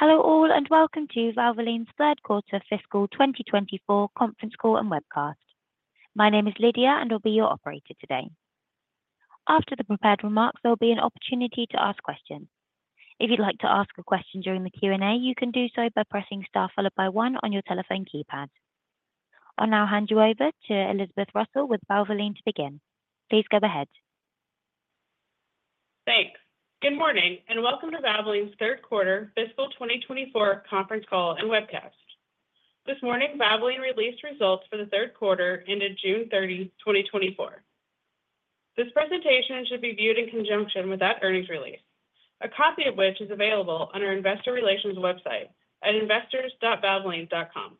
Hello all, and welcome to Valvoline's Third Quarter Fiscal 2024 conference Call and Webcast. My name is Lydia, and I'll be your operator today. After the prepared remarks, there will be an opportunity to ask questions. If you'd like to ask a question during the Q&A, you can do so by pressing Star followed by One on your telephone keypad. I'll now hand you over to Elizabeth Russell with Valvoline to begin. Please go ahead. Thanks. Good morning, and welcome to Valvoline's Third Quarter Fiscal 2024 Conference Call and Webcast. This morning, Valvoline released results for the third quarter ended June 30, 2024. This presentation should be viewed in conjunction with that earnings release, a copy of which is available on our investor relations website at investors.valvoline.com.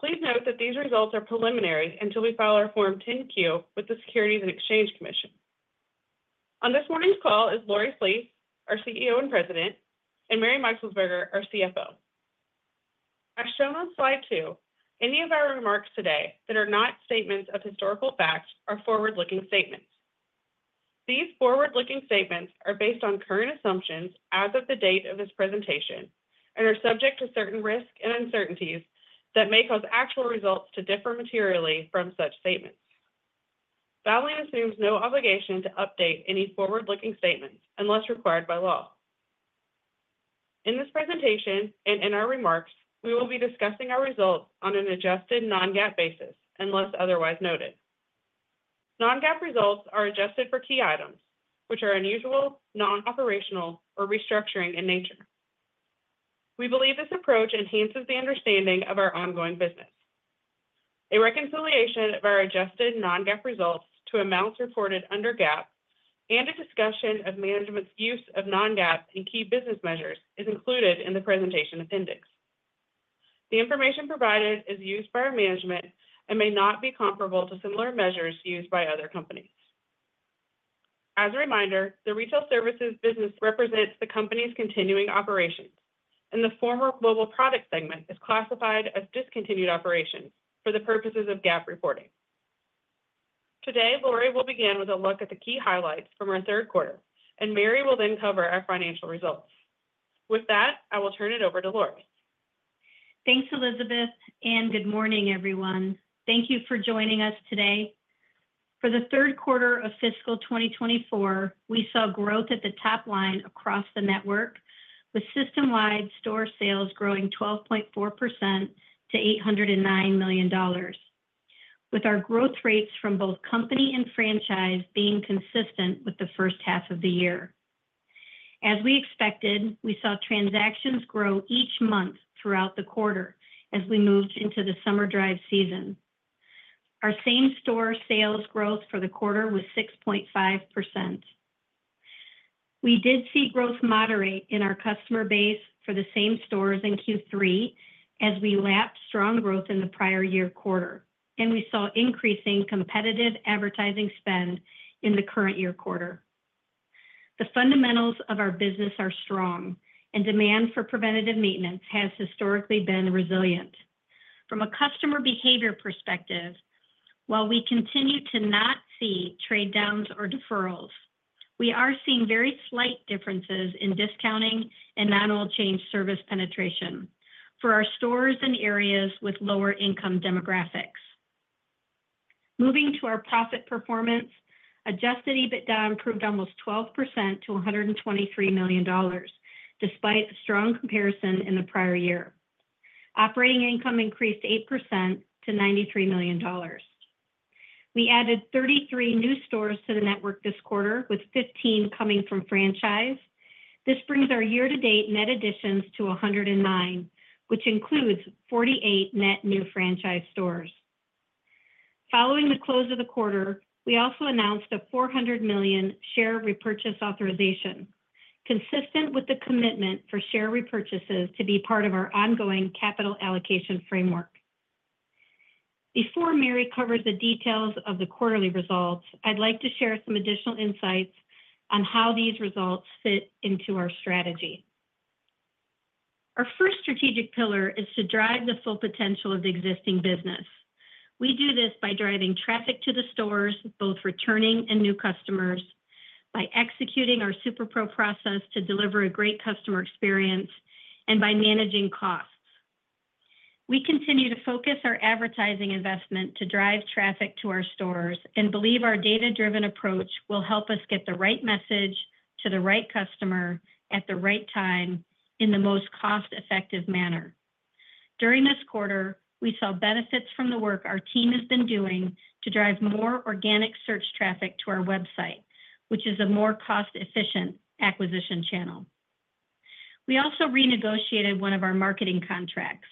Please note that these results are preliminary until we file our Form 10-Q with the Securities and Exchange Commission. On this morning's call is Lori Flees, our CEO and President, and Mary Meixelsperger, our CFO. As shown on slide two, any of our remarks today that are not statements of historical facts are forward-looking statements. These forward-looking statements are based on current assumptions as of the date of this presentation and are subject to certain risks and uncertainties that may cause actual results to differ materially from such statements. Valvoline assumes no obligation to update any forward-looking statements unless required by law. In this presentation and in our remarks, we will be discussing our results on an adjusted non-GAAP basis, unless otherwise noted. Non-GAAP results are adjusted for key items which are unusual, non-operational, or restructuring in nature. We believe this approach enhances the understanding of our ongoing business. A reconciliation of our adjusted non-GAAP results to amounts reported under GAAP and a discussion of management's use of non-GAAP and key business measures is included in the presentation appendix. The information provided is used by our management and may not be comparable to similar measures used by other companies. As a reminder, the retail services business represents the company's continuing operations, and the former global product segment is classified as discontinued operations for the purposes of GAAP reporting. Today, Lori will begin with a look at the key highlights from our third quarter, and Mary will then cover our financial results. With that, I will turn it over to Lori. Thanks, Elizabeth, and good morning, everyone. Thank you for joining us today. For the third quarter of fiscal 2024, we saw growth at the top line across the network, with system-wide store sales growing 12.4% to $809 million, with our growth rates from both company and franchise being consistent with the first half of the year. As we expected, we saw transactions grow each month throughout the quarter as we moved into the summer drive season. Our same-store sales growth for the quarter was 6.5%. We did see growth moderate in our customer base for the same stores in Q3 as we lapped strong growth in the prior year quarter, and we saw increasing competitive advertising spend in the current year quarter. The fundamentals of our business are strong, and demand for preventative maintenance has historically been resilient. From a customer behavior perspective, while we continue to not see trade downs or deferrals, we are seeing very slight differences in discounting and non-oil change service penetration for our stores in areas with lower-income demographics. Moving to our profit performance, Adjusted EBITDA improved almost 12% to $123 million, despite a strong comparison in the prior year. Operating income increased 8% to $93 million. We added 33 new stores to the network this quarter, with 15 stores coming from franchise. This brings our year-to-date net additions to 109 stores, which includes 48 net new franchise stores. Following the close of the quarter, we also announced a $400 million share repurchase authorization, consistent with the commitment for share repurchases to be part of our ongoing capital allocation framework. Before Mary covers the details of the quarterly results, I'd like to share some additional insights on how these results fit into our strategy. Our first strategic pillar is to drive the full potential of the existing business. We do this by driving traffic to the stores, both returning and new customers, by executing our SuperPro process to deliver a great customer experience, and by managing costs. We continue to focus our advertising investment to drive traffic to our stores and believe our data-driven approach will help us get the right message to the right customer at the right time in the most cost-effective manner. During this quarter, we saw benefits from the work our team has been doing to drive more organic search traffic to our website, which is a more cost-efficient acquisition channel. We also renegotiated one of our marketing contracts.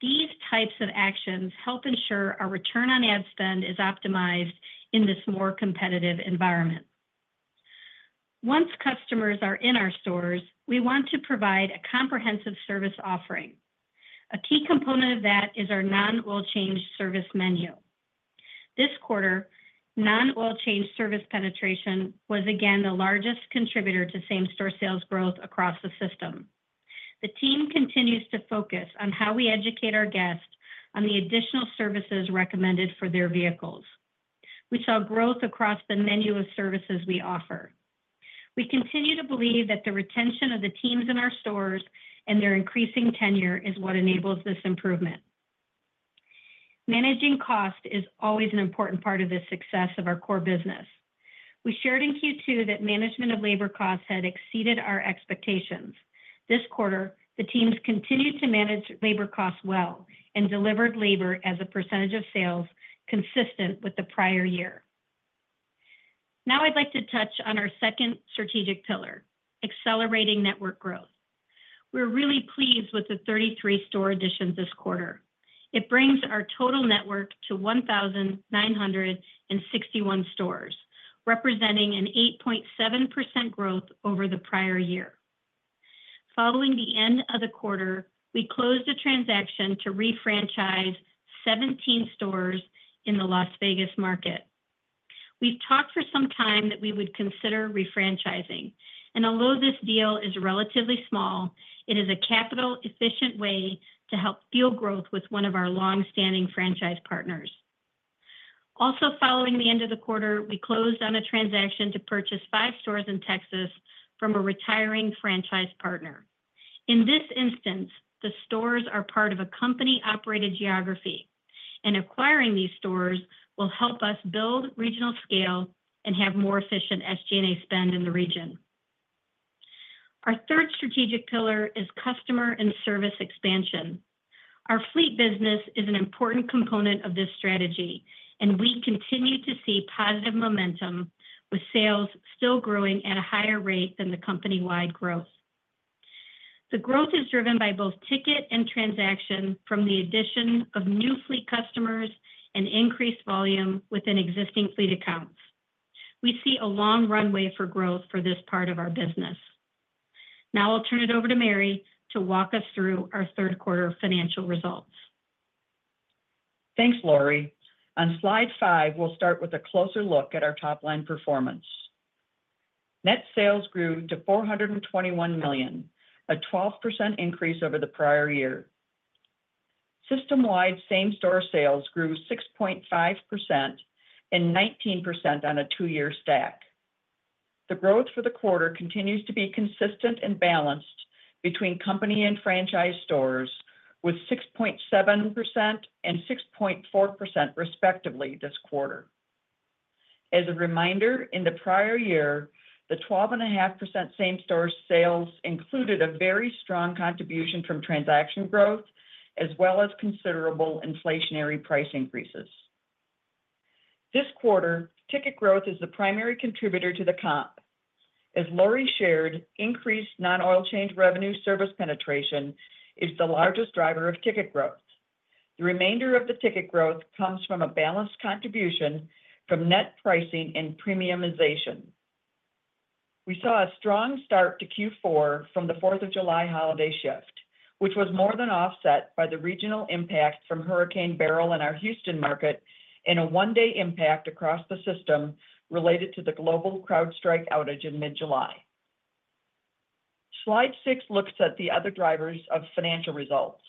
These types of actions help ensure our return on ad spend is optimized in this more competitive environment. Once customers are in our stores, we want to provide a comprehensive service offering. A key component of that is our non-oil change service menu. This quarter, non-oil change service penetration was again the largest contributor to same-store sales growth across the system. The team continues to focus on how we educate our guests on the additional services recommended for their vehicles. We saw growth across the menu of services we offer. We continue to believe that the retention of the teams in our stores and their increasing tenure is what enables this improvement. Managing cost is always an important part of the success of our core business. We shared in Q2 that management of labor costs had exceeded our expectations. This quarter, the teams continued to manage labor costs well and delivered labor as a percentage of sales consistent with the prior year. Now, I'd like to touch on our second strategic pillar, accelerating network growth. We're really pleased with the 33 store additions this quarter. It brings our total network to 1,961 stores, representing an 8.7% growth over the prior year. Following the end of the quarter, we closed a transaction to refranchise 17 stores in the Las Vegas market. We've talked for some time that we would consider refranchising, and although this deal is relatively small, it is a capital efficient way to help fuel growth with one of our long-standing franchise partners. Also, following the end of the quarter, we closed on a transaction to purchase five stores in Texas from a retiring franchise partner. In this instance, the stores are part of a company-operated geography, and acquiring these stores will help us build regional scale and have more efficient SG&A spend in the region. Our third strategic pillar is customer and service expansion. Our fleet business is an important component of this strategy, and we continue to see positive momentum, with sales still growing at a higher rate than the company-wide growth. The growth is driven by both ticket and transaction from the addition of new fleet customers and increased volume within existing fleet accounts. We see a long runway for growth for this part of our business. Now I'll turn it over to Mary to walk us through our third quarter financial results. Thanks, Lori. On slide five, we'll start with a closer look at our top-line performance. Net sales grew to $421 million, a 12% increase over the prior year. System-wide same-store sales grew 6.5% and 19% on a two-year stack. The growth for the quarter continues to be consistent and balanced between company and franchise stores, with 6.7% and 6.4% respectively this quarter. As a reminder, in the prior year, the 12.5% same-store sales included a very strong contribution from transaction growth, as well as considerable inflationary price increases. This quarter, ticket growth is the primary contributor to the comp. As Lori shared, increased non-oil change revenue service penetration is the largest driver of ticket growth. The remainder of the ticket growth comes from a balanced contribution from net pricing and premiumization. We saw a strong start to Q4 from the Fourth of July holiday shift, which was more than offset by the regional impact from Hurricane Beryl in our Houston market and a one-day impact across the system related to the global CrowdStrike outage in mid-July. Slide six looks at the other drivers of financial results.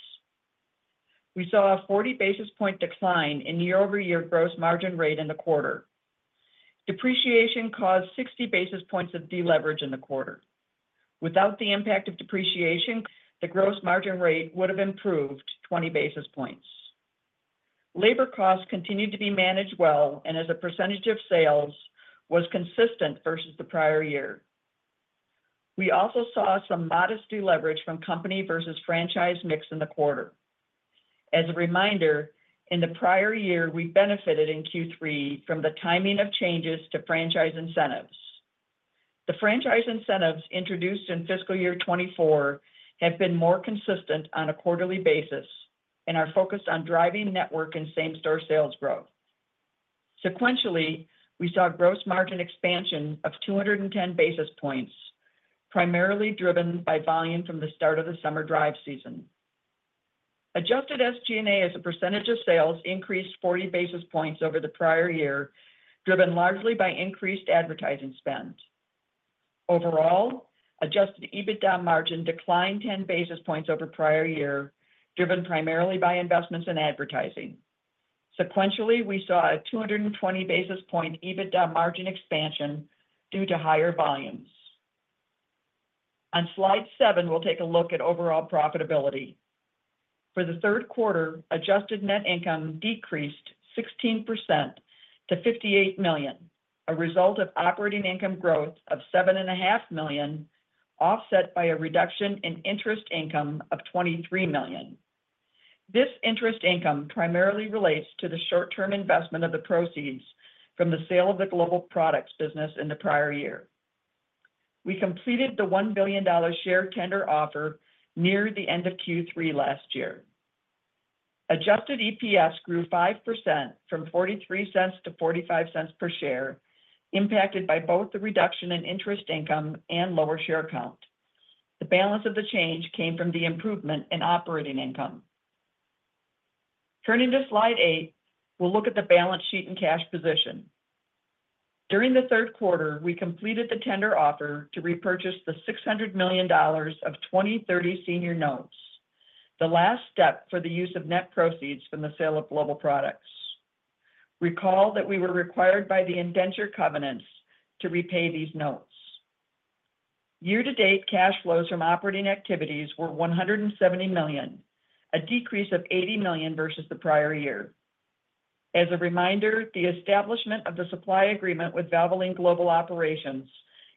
We saw a 40 basis point decline in year-over-year gross margin rate in the quarter. Depreciation caused 60 basis points of deleverage in the quarter. Without the impact of depreciation, the gross margin rate would have improved 20 basis points. Labor costs continued to be managed well and as a percentage of sales, was consistent versus the prior year. We also saw some modest deleverage from company versus franchise mix in the quarter. As a reminder, in the prior year, we benefited in Q3 from the timing of changes to franchise incentives. The franchise incentives introduced in fiscal year 2024 have been more consistent on a quarterly basis and are focused on driving network and same-store sales growth. Sequentially, we saw gross margin expansion of 210 basis points, primarily driven by volume from the start of the summer drive season. Adjusted SG&A as a percentage of sales increased 40 basis points over the prior year, driven largely by increased advertising spend. Overall, adjusted EBITDA margin declined 10 basis points over prior year, driven primarily by investments in advertising. Sequentially, we saw a 220 basis point EBITDA margin expansion due to higher volumes. On slide seven, we'll take a look at overall profitability. For the third quarter, adjusted net income decreased 16% to $58 million, a result of operating income growth of $7.5 million, offset by a reduction in interest income of $23 million. This interest income primarily relates to the short-term investment of the proceeds from the sale of the global products business in the prior year. We completed the $1 billion share tender offer near the end of Q3 last year. Adjusted EPS grew 5% from $0.43 to $0.45 per share, impacted by both the reduction in interest income and lower share count. The balance of the change came from the improvement in operating income. Turning to slide eight, we'll look at the balance sheet and cash position... During the third quarter, we completed the tender offer to repurchase the $600 million of 2030 senior notes, the last step for the use of net proceeds from the sale of global products. Recall that we were required by the indenture covenants to repay these notes. Year-to-date cash flows from operating activities were $170 million, a decrease of $80 million versus the prior year. As a reminder, the establishment of the supply agreement with Valvoline Global Operations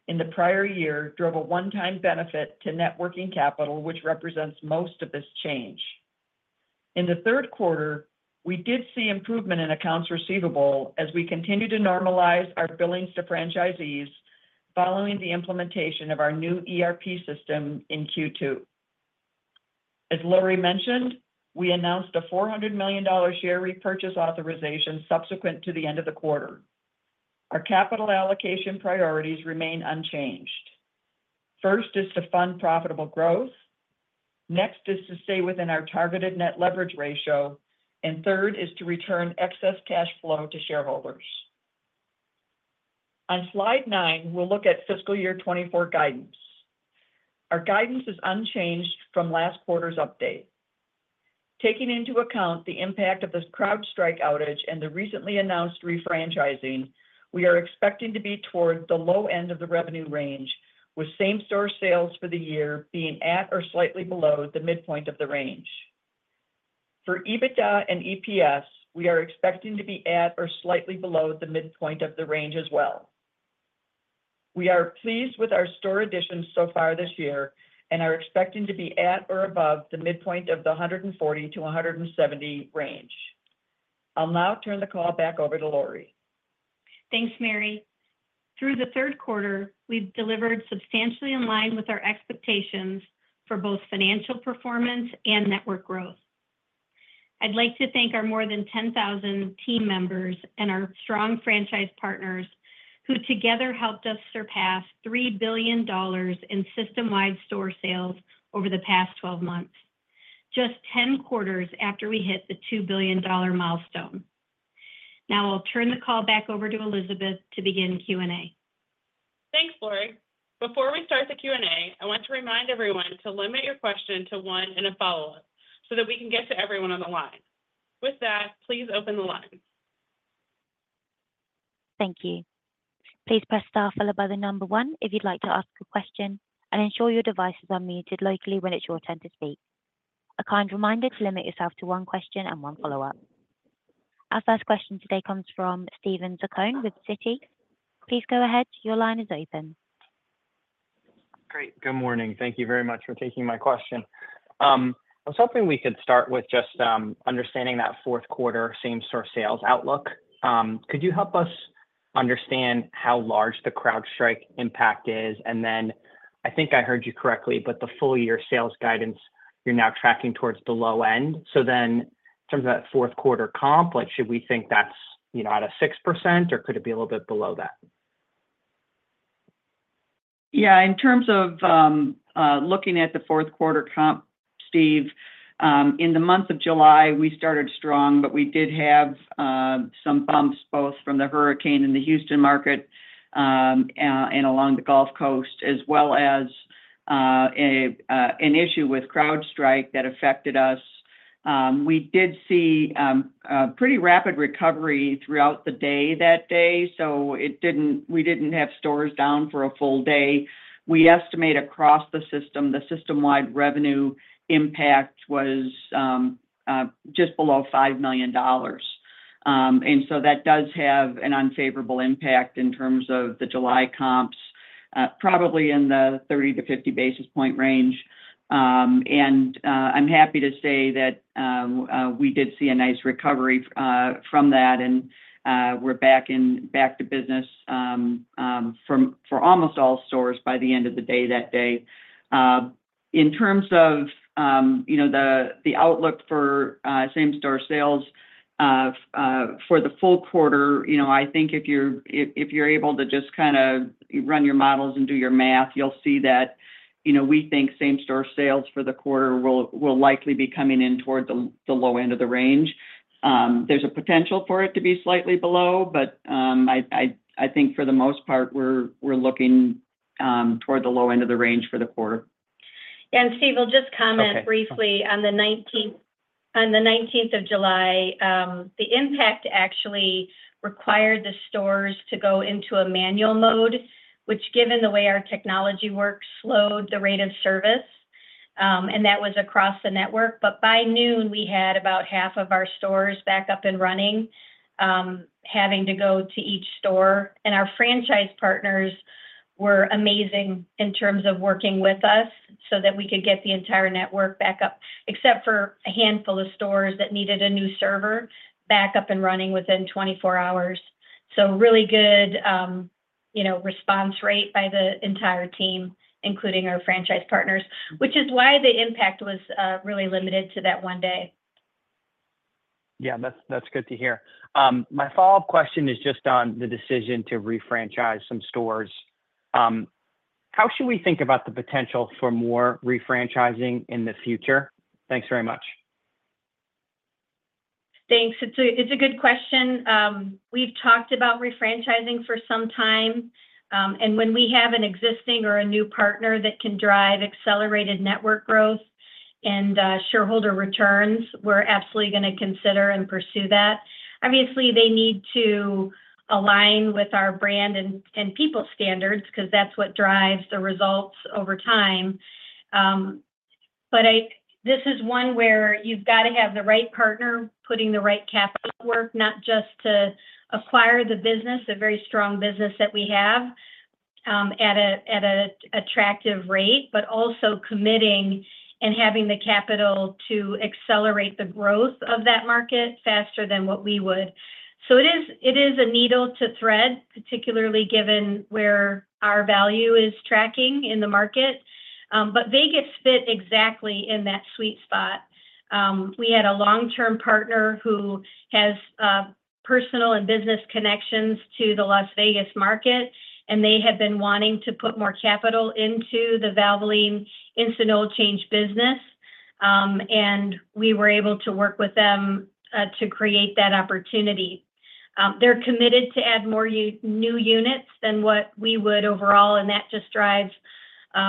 in the prior year drove a one-time benefit to net working capital, which represents most of this change. In the third quarter, we did see improvement in accounts receivable as we continued to normalize our billings to franchisees following the implementation of our new ERP system in Q2. As Lori mentioned, we announced a $400 million share repurchase authorization subsequent to the end of the quarter. Our capital allocation priorities remain unchanged. First is to fund profitable growth, next is to stay within our targeted net leverage ratio, and third is to return excess cash flow to shareholders. On slide nine, we'll look at fiscal year 2024 guidance. Our guidance is unchanged from last quarter's update. Taking into account the impact of this CrowdStrike outage and the recently announced refranchising, we are expecting to be towards the low end of the revenue range, with same-store sales for the year being at or slightly below the midpoint of the range. For EBITDA and EPS, we are expecting to be at or slightly below the midpoint of the range as well. We are pleased with our store additions so far this year and are expecting to be at or above the midpoint of the 140-170 range. I'll now turn the call back over to Lori. Thanks, Mary. Through the third quarter, we've delivered substantially in line with our expectations for both financial performance and network growth. I'd like to thank our more than 10,000 team members and our strong franchise partners, who together helped us surpass $3 billion in system-wide store sales over the past 12 months, just 10 quarters after we hit the $2 billion milestone. Now, I'll turn the call back over to Elizabeth to begin Q&A. Thanks, Lori. Before we start the Q&A, I want to remind everyone to limit your question to one and a follow-up so that we can get to everyone on the line. With that, please open the line. Thank you. Please press star followed by the number one if you'd like to ask a question, and ensure your devices are muted locally when it's your turn to speak. A kind reminder to limit yourself to one question and one follow-up. Our first question today comes from Steven Zaccone with Citi. Please go ahead. Your line is open. Great. Good morning. Thank you very much for taking my question. I was hoping we could start with just understanding that fourth quarter same-store sales outlook. Could you help us understand how large the CrowdStrike impact is? And then I think I heard you correctly, but the full year sales guidance, you're now tracking towards the low end. So then in terms of that fourth quarter comp, like, should we think that's, you know, at a 6%, or could it be a little bit below that? Yeah, in terms of looking at the fourth quarter comp, Steve, in the month of July, we started strong, but we did have some bumps, both from the hurricane in the Houston market and along the Gulf Coast, as well as an issue with CrowdStrike that affected us. We did see a pretty rapid recovery throughout the day that day, so it didn't, we didn't have stores down for a full day. We estimate across the system, the system-wide revenue impact was just below $5 million. And so that does have an unfavorable impact in terms of the July comps, probably in the 30-50 basis point range. I'm happy to say that we did see a nice recovery from that, and we're back to business for almost all stores by the end of the day that day. In terms of, you know, the outlook for same store sales for the full quarter, you know, I think if you're able to just kinda run your models and do your math, you'll see that, you know, we think same store sales for the quarter will likely be coming in toward the low end of the range. There's a potential for it to be slightly below, but I think for the most part, we're looking toward the low end of the range for the quarter. Steve, I'll just comment- Okay. briefly. On the 19th of July, the impact actually required the stores to go into a manual mode, which, given the way our technology works, slowed the rate of service, and that was across the network. But by noon, we had about half of our stores back up and running, having to go to each store. And our franchise partners were amazing in terms of working with us so that we could get the entire network back up, except for a handful of stores that needed a new server back up and running within 24 hours. So really good, you know, response rate by the entire team, including our franchise partners, which is why the impact was really limited to that one day. Yeah, that's, that's good to hear. My follow-up question is just on the decision to refranchise some stores. How should we think about the potential for more refranchising in the future? Thanks very much. Thanks. It's a good question. We've talked about refranchising for some time, and when we have an existing or a new partner that can drive accelerated network growth and shareholder returns, we're absolutely gonna consider and pursue that. Obviously, they need to align with our brand and people standards, 'cause that's what drives the results over time. But this is one where you've got to have the right partner, putting the right capital work, not just to acquire the business, a very strong business that we have, at an attractive rate, but also committing and having the capital to accelerate the growth of that market faster than what we would. So it is a needle to thread, particularly given where our value is tracking in the market. But Vegas fit exactly in that sweet spot. We had a long-term partner who has personal and business connections to the Las Vegas market, and they had been wanting to put more capital into the Valvoline Instant Oil Change business. We were able to work with them to create that opportunity. They're committed to add more new units than what we would overall, and that just drives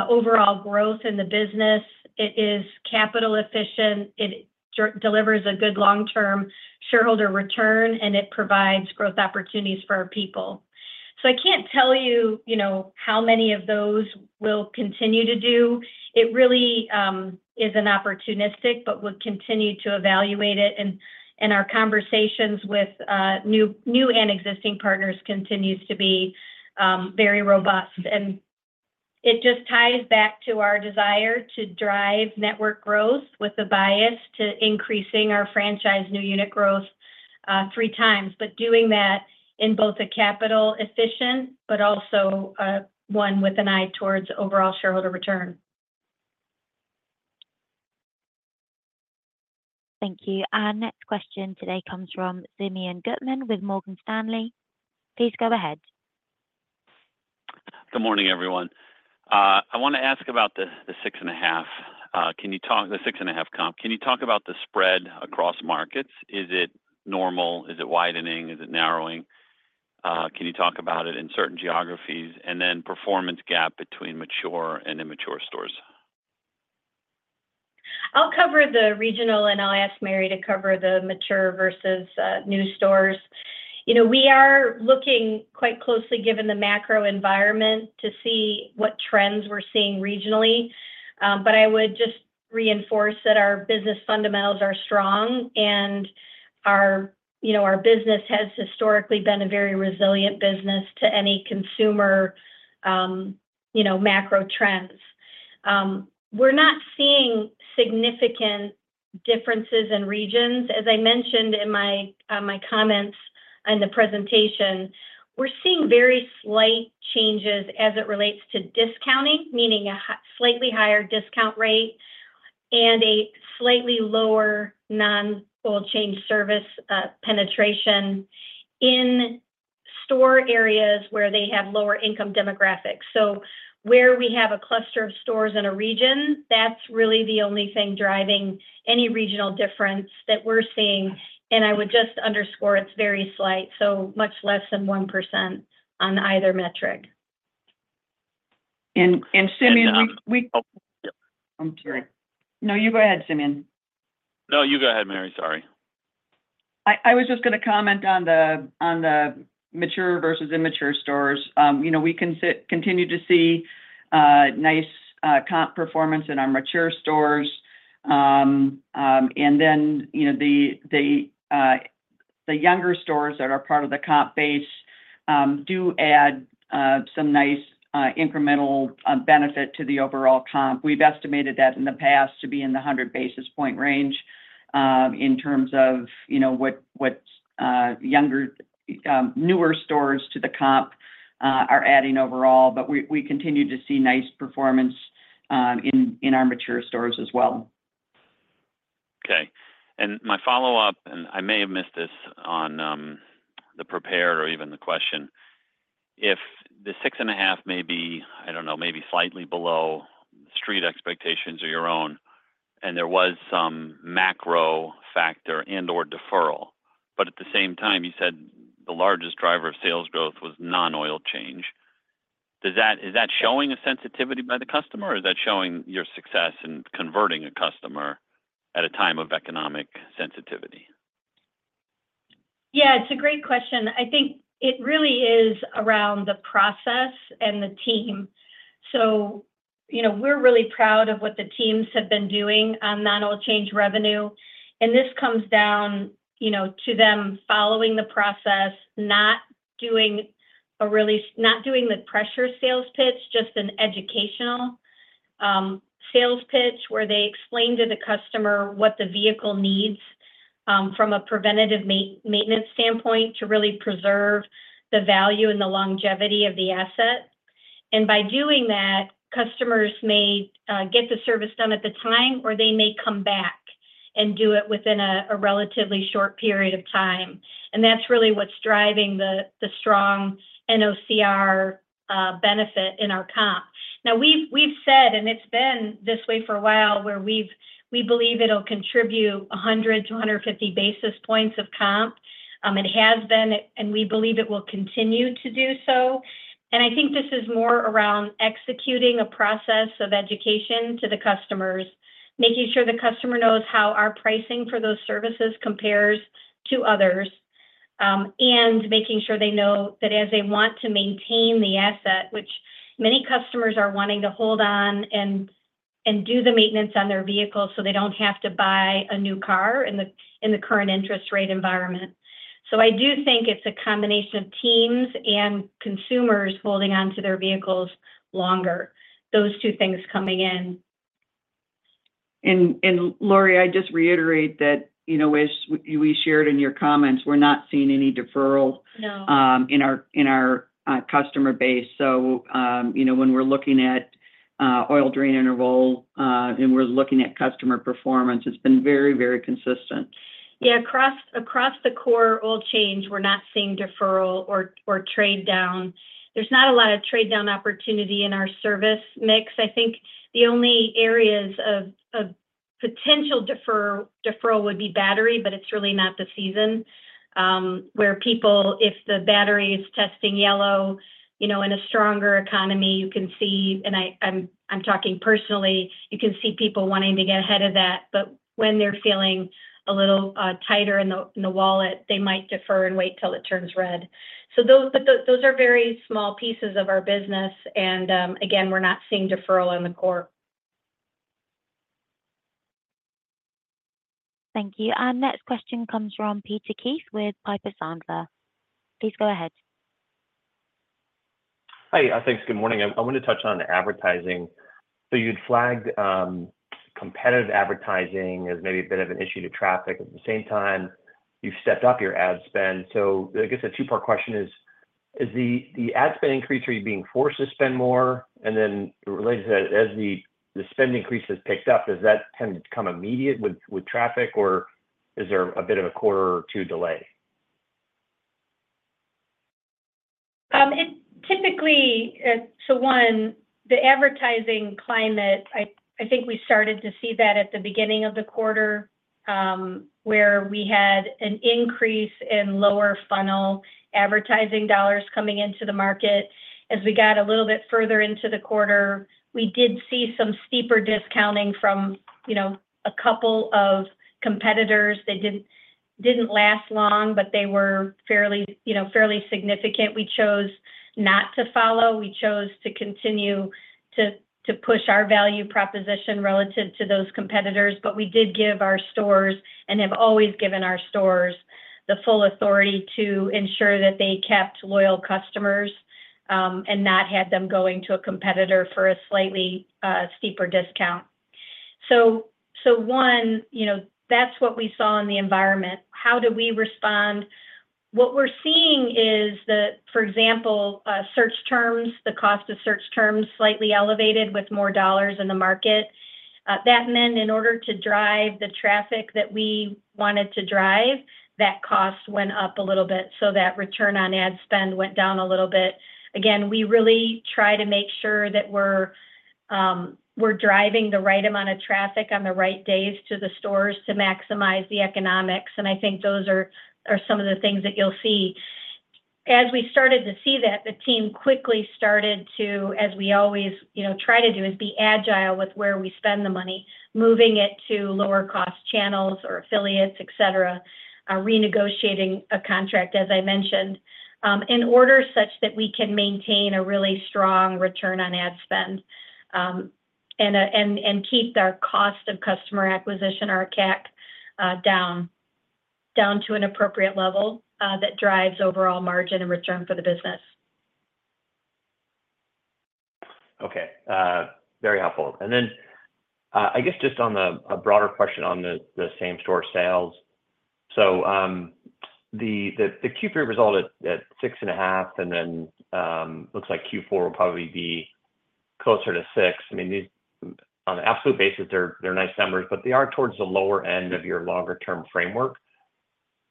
overall growth in the business. It is capital efficient, it delivers a good long-term shareholder return, and it provides growth opportunities for our people. So I can't tell you, you know, how many of those we'll continue to do. It really is an opportunistic, but we'll continue to evaluate it, and our conversations with new and existing partners continues to be very robust. It just ties back to our desire to drive network growth with a bias to increasing our franchise new unit growth three times, but doing that in both a capital efficient, but also, one with an eye towards overall shareholder return. Thank you. Our next question today comes from Simeon Gutman with Morgan Stanley. Please go ahead. Good morning, everyone. I wanna ask about the 6.5%. Can you talk about the 6.5% comp? Can you talk about the spread across markets? Is it normal? Is it widening? Is it narrowing? Can you talk about it in certain geographies, and then performance gap between mature and immature stores? I'll cover the regional, and I'll ask Mary to cover the mature versus new stores. You know, we are looking quite closely, given the macro environment, to see what trends we're seeing regionally. But I would just reinforce that our business fundamentals are strong, and our, you know, our business has historically been a very resilient business to any consumer, you know, macro trends. We're not seeing significant differences in regions. As I mentioned in my comments on the presentation, we're seeing very slight changes as it relates to discounting, meaning a slightly higher discount rate and a slightly lower non-oil change service penetration in store areas where they have lower income demographics. So where we have a cluster of stores in a region, that's really the only thing driving any regional difference that we're seeing, and I would just underscore, it's very slight, so much less than 1% on either metric. And Simeon, we, I'm sorry. No, you go ahead, Simeon. No, you go ahead, Mary. Sorry. I was just gonna comment on the mature versus immature stores. You know, we can continue to see nice comp performance in our mature stores. And then, you know, the younger stores that are part of the comp base do add some nice incremental benefit to the overall comp. We've estimated that in the past to be in the 100 basis point range, in terms of, you know, what younger newer stores to the comp are adding overall. But we continue to see nice performance in our mature stores as well. Okay. My follow-up, and I may have missed this on the prepared or even the question. If the 6.5% may be, I don't know, may be slightly below street expectations or your own, and there was some macro factor and/or deferral, but at the same time, you said the largest driver of sales growth was non-oil change. Does that—is that showing a sensitivity by the customer, or is that showing your success in converting a customer at a time of economic sensitivity? Yeah, it's a great question. I think it really is around the process and the team. So, you know, we're really proud of what the teams have been doing on non-oil change revenue, and this comes down, you know, to them following the process, not doing the pressure sales pitch, just an educational sales pitch, where they explain to the customer what the vehicle needs from a preventative maintenance standpoint, to really preserve the value and the longevity of the asset. And by doing that, customers may get the service done at the time, or they may come back and do it within a relatively short period of time, and that's really what's driving the strong NOCR benefit in our comp. Now, we've said, and it's been this way for a while, where we believe it'll contribute 100 to 150 basis points of comp. It has been, and we believe it will continue to do so. And I think this is more around executing a process of education to the customers, making sure the customer knows how our pricing for those services compares to others, and making sure they know that as they want to maintain the asset, which many customers are wanting to hold on and do the maintenance on their vehicles, so they don't have to buy a new car in the current interest rate environment. So I do think it's a combination of times and consumers holding on to their vehicles longer. Those two things coming in. And Lori, I just reiterate that, you know, as we shared in your comments, we're not seeing any deferral- No... in our customer base. So, you know, when we're looking at oil drain interval and we're looking at customer performance, it's been very, very consistent. Yeah, across the core oil change, we're not seeing deferral or trade down. There's not a lot of trade down opportunity in our service mix. I think the only areas of potential deferral would be battery, but it's really not the season where people, if the battery is testing yellow, you know, in a stronger economy, you can see, and I'm talking personally, you can see people wanting to get ahead of that, but when they're feeling a little tighter in the wallet, they might defer and wait till it turns red. So those, but those are very small pieces of our business, and again, we're not seeing deferral in the core. Thank you. Our next question comes from Peter Keith with Piper Sandler. Please go ahead. Hi, thanks. Good morning. I want to touch on advertising. So you'd flagged competitive advertising as maybe a bit of an issue to traffic. At the same time, you've stepped up your ad spend. So I guess a two-part question is, is the ad spend increase, are you being forced to spend more? And then related to that, as the spend increase has picked up, does that tend to become immediate with traffic, or is there a bit of a quarter or two delay? It typically, so one, the advertising climate, I think we started to see that at the beginning of the quarter, where we had an increase in lower funnel advertising dollars coming into the market. As we got a little bit further into the quarter, we did see some steeper discounting from, you know, a couple of competitors. They didn't last long, but they were fairly, you know, fairly significant. We chose not to follow. We chose to continue to push our value proposition relative to those competitors. But we did give our stores, and have always given our stores, the full authority to ensure that they kept loyal customers, and not had them going to a competitor for a slightly steeper discount. So, one, you know, that's what we saw in the environment. How do we respond? What we're seeing is that, for example, search terms, the cost of search terms, slightly elevated with more dollars in the market. That meant in order to drive the traffic that we wanted to drive, that cost went up a little bit, so that return on ad spend went down a little bit. Again, we really try to make sure that we're driving the right amount of traffic on the right days to the stores to maximize the economics, and I think those are some of the things that you'll see. As we started to see that, the team quickly started to, as we always, you know, try to do, is be agile with where we spend the money, moving it to lower cost channels or affiliates, et cetera, renegotiating a contract, as I mentioned, in order such that we can maintain a really strong return on ad spend, and keep our cost of customer acquisition, our CAC, down, down to an appropriate level, that drives overall margin and return for the business. Okay, very helpful. And then, I guess just on the, a broader question on the, the same-store sales. So, the Q3 result at 6.5%, and then, looks like Q4 will probably be closer to 6%. I mean, these, on an absolute basis, they're, they're nice numbers, but they are towards the lower end of your longer-term framework.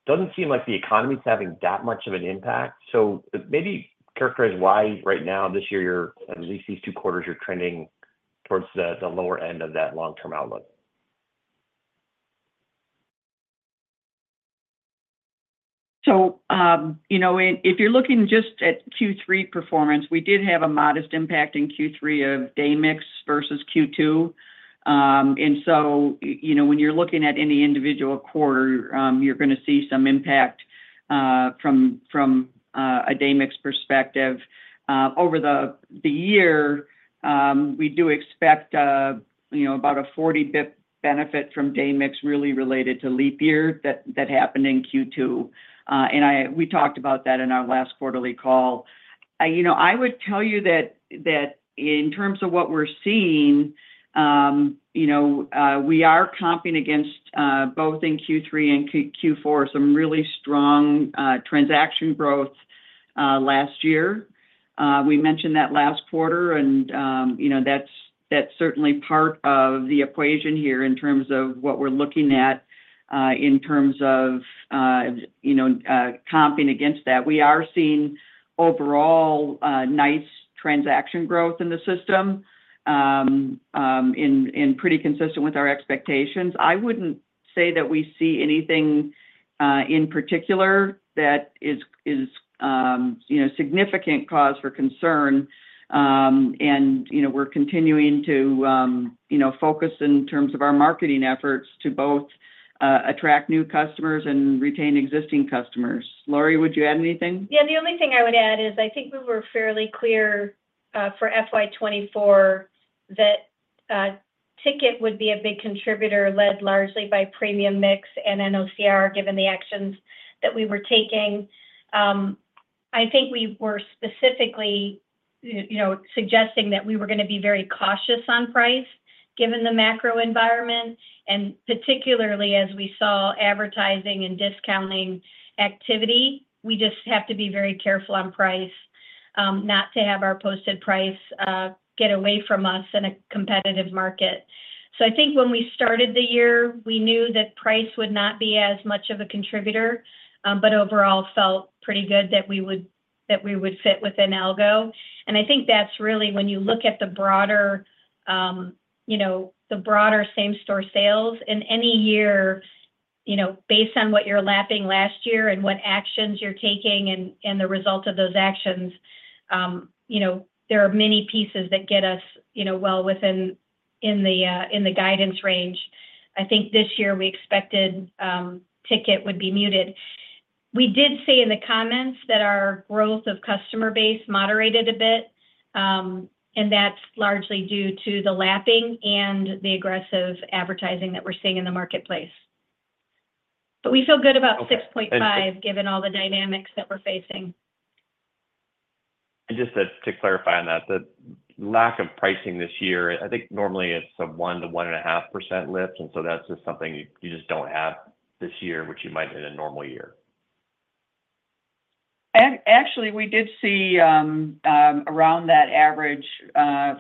Doesn't seem like the economy is having that much of an impact. So maybe characterize why right now, this year, you're, at least these two quarters, you're trending towards the, the lower end of that long-term outlook. So, you know, and if you're looking just at Q3 performance, we did have a modest impact in Q3 of day mix versus Q2. And so, you know, when you're looking at any individual quarter, you're gonna see some impact from a day mix perspective. Over the year, we do expect, you know, about a 40 basis points benefit from day mix, really related to leap year that happened in Q2. And we talked about that in our last quarterly call. You know, I would tell you that in terms of what we're seeing, you know, we are comping against both in Q3 and Q4 some really strong transaction growth last year. We mentioned that last quarter, and you know, that's, that's certainly part of the equation here in terms of what we're looking at, in terms of, you know, comping against that. We are seeing overall, nice transaction growth in the system, and pretty consistent with our expectations. I wouldn't say that we see anything, in particular that is, you know, significant cause for concern. And, you know, we're continuing to, you know, focus in terms of our marketing efforts to both, attract new customers and retain existing customers. Lori, would you add anything? Yeah, the only thing I would add is, I think we were fairly clear, for FY 2024, that, ticket would be a big contributor, led largely by premium mix and NOCR, given the actions that we were taking. I think we were specifically, you know, suggesting that we were gonna be very cautious on price, given the macro environment, and particularly as we saw advertising and discounting activity. We just have to be very careful on price, not to have our posted price, get away from us in a competitive market. So I think when we started the year, we knew that price would not be as much of a contributor, but overall felt pretty good that we would fit within algo. And I think that's really when you look at the broader, you know, the broader same-store sales. In any year, you know, based on what you're lapping last year and what actions you're taking and the results of those actions, you know, there are many pieces that get us, you know, well within the guidance range. I think this year we expected ticket would be muted. We did say in the comments that our growth of customer base moderated a bit, and that's largely due to the lapping and the aggressive advertising that we're seeing in the marketplace. But we feel good about- Okay... 6.5%, given all the dynamics that we're facing. And just to clarify on that, the lack of pricing this year, I think normally it's a 1%-1.5% lift, and so that's just something you just don't have this year, which you might in a normal year. Actually, we did see around that average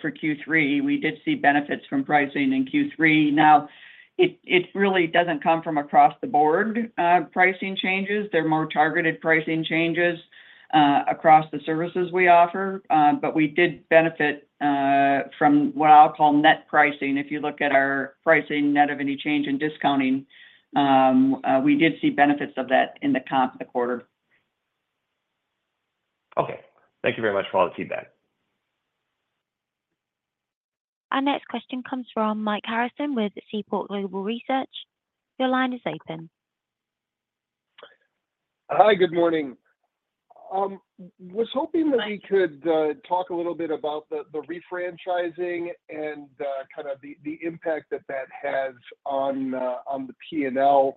for Q3. We did see benefits from pricing in Q3. Now, it really doesn't come from across the board pricing changes. They're more targeted pricing changes across the services we offer. But we did benefit from what I'll call net pricing. If you look at our pricing, net of any change in discounting, we did see benefits of that in the comp the quarter. Okay. Thank you very much for all the feedback. Our next question comes from Mike Harrison with Seaport Global Research. Your line is open. Hi, good morning. Was hoping that- Hi... we could talk a little bit about the refranchising and kind of the impact that that has on the P&L.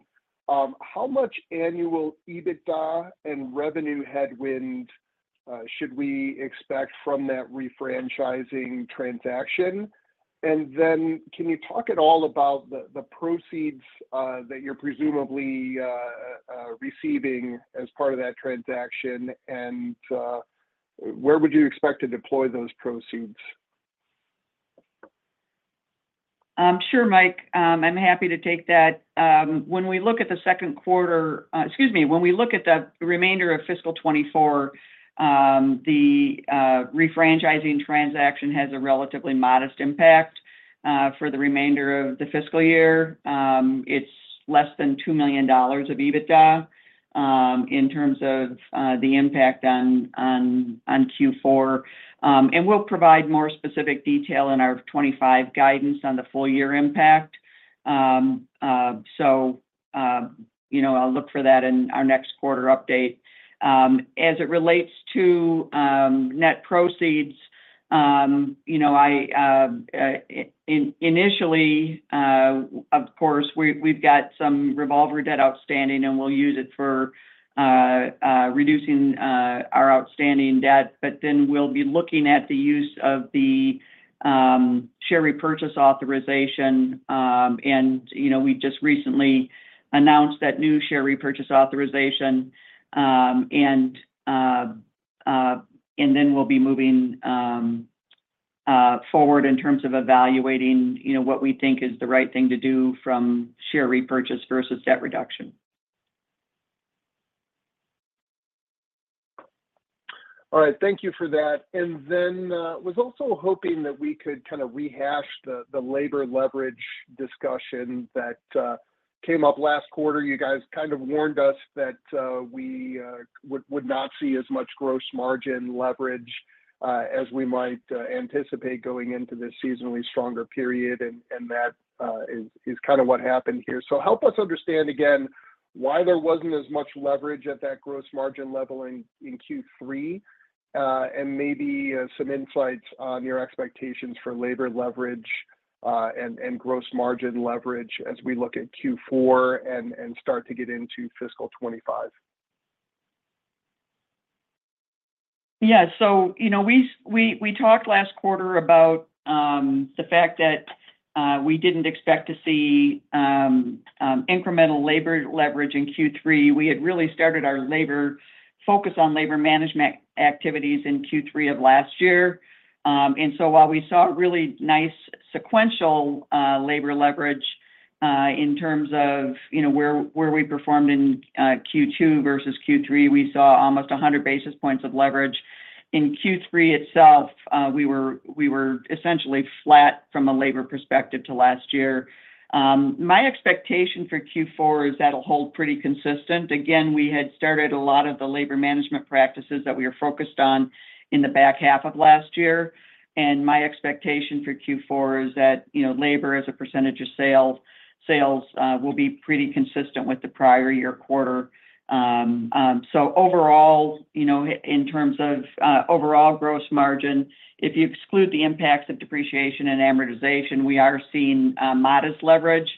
How much annual EBITDA and revenue headwind should we expect from that refranchising transaction? And then, can you talk at all about the proceeds that you're presumably receiving as part of that transaction? And where would you expect to deploy those proceeds? Sure, Mike, I'm happy to take that. Excuse me, when we look at the remainder of fiscal 2024, the refranchising transaction has a relatively modest impact. For the remainder of the fiscal year, it's less than $2 million of EBITDA, in terms of the impact on Q4. We'll provide more specific detail in our 2025 guidance on the full year impact. You know, I'll look for that in our next quarter update. As it relates to net proceeds, you know, initially, of course, we've got some revolver debt outstanding, and we'll use it for reducing our outstanding debt. But then we'll be looking at the use of the share repurchase authorization. And you know, we've just recently announced that new share repurchase authorization. And then we'll be moving forward in terms of evaluating, you know, what we think is the right thing to do from share repurchase versus debt reduction. All right, thank you for that. And then was also hoping that we could kind of rehash the labor leverage discussion that came up last quarter. You guys kind of warned us that we would not see as much gross margin leverage as we might anticipate going into this seasonally stronger period, and that is kind of what happened here. So help us understand again, why there wasn't as much leverage at that gross margin level in Q3, and maybe some insights on your expectations for labor leverage and gross margin leverage as we look at Q4 and start to get into fiscal 25. Yeah. So, you know, we talked last quarter about the fact that we didn't expect to see incremental labor leverage in Q3. We had really started our labor focus on labor management activities in Q3 of last year. And so while we saw a really nice sequential labor leverage in terms of, you know, where we performed in Q2 versus Q3, we saw almost 100 basis points of leverage. In Q3 itself, we were essentially flat from a labor perspective to last year. My expectation for Q4 is that'll hold pretty consistent. Again, we had started a lot of the labor management practices that we are focused on in the back half of last year, and my expectation for Q4 is that, you know, labor as a percentage of sales will be pretty consistent with the prior year quarter. So overall, you know, in terms of overall gross margin, if you exclude the impacts of depreciation and amortization, we are seeing modest leverage.